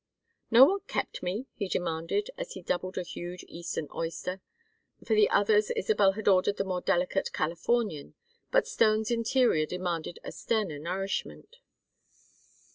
"Know what kept me?" he demanded, as he doubled a huge Eastern oyster for the others Isabel had ordered the more delicate Californian, but Stone's interior demanded a sterner nourishment.